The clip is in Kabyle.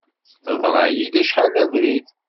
Teḍra-yi-d acḥal d abrid.